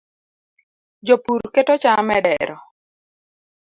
jopur keto cham e dero